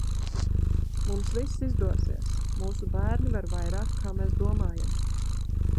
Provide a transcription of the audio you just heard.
Mums viss izdosies, mūsu bērni var vairāk kā mēs domājam!